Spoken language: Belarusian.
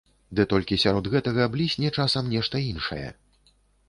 Ды толькі сярод гэтага блісне часам нешта іншае.